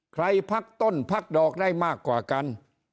พักต้นพักดอกได้มากกว่ากัน